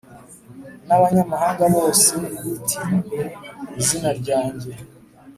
N abanyamahanga bose bitirirwe izina ryanjye